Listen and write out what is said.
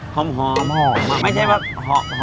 ของหอมอ่ะ